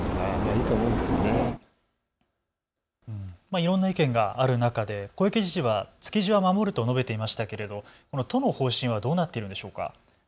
いろんな意見がある中で小池知事は築地は守ると述べていましたけれど都の方針はどうなってるんでしょうか。